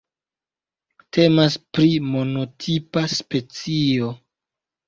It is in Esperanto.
Temas pri monotipa specio.